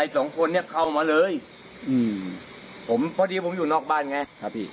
สองคนเนี้ยเข้ามาเลยอืมผมพอดีผมอยู่นอกบ้านไงครับพี่